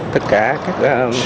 tất cả các